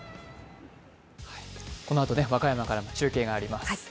このあと和歌山から中継があります。